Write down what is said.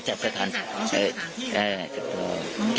ก็ใช้กระทานที่